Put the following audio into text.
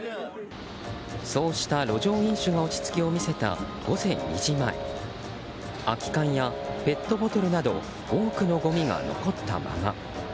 そうした路上飲酒が落ち着きを見せた午前２時前空き缶やペットボトルなど多くのごみが残ったまま。